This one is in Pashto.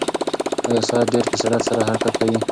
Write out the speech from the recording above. ایا ساعت ډېر په سرعت سره حرکت کوي؟